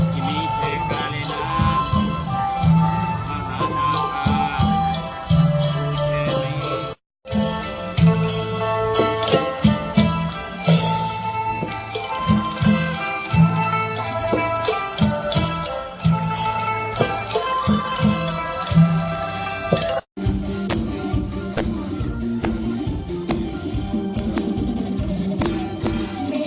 ที่นี้เกิดการินาอาหารน้ำค่ะเกิดไม่มี